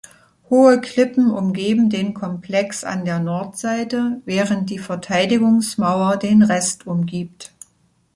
Hohe Klippen umgeben den Komplex an der Nordseite, während die Verteidigungsmauer den Rest umgibt.